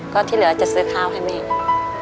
ก็ที่เหลือจะซื้อข้าวให้แม่